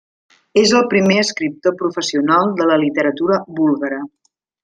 És el primer escriptor professional de la literatura búlgara.